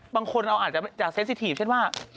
บางคนเราอาจจะเซ็นสิทีฟเช่นว่า